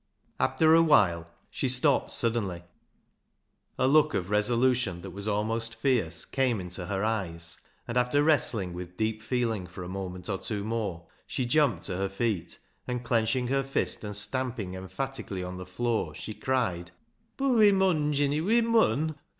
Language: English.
After a while she stopped suddenly, a look of resolution that was almost fierce came into her eyes, and, after wrestling with deep feeling for a moment or two more, she jumped to her feet, and, clenching her fist and stamping em phatically on the floor, she cried —" Bud we mun, Jinny, we mun